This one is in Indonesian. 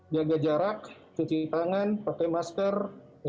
jaga jarak cuci tangan pakai masker